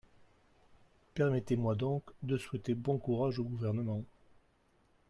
Permettez-moi donc de souhaiter bon courage au Gouvernement.